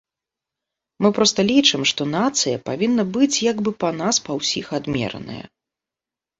Мы проста лічым, што нацыя павінна быць як бы па нас па ўсіх адмераная.